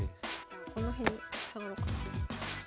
この辺に下がろうかな。